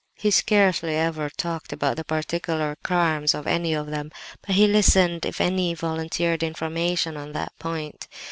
"'He scarcely ever talked about the particular crimes of any of them, but listened if any volunteered information on that point.